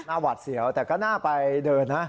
หวัดเสียวแต่ก็น่าไปเดินนะ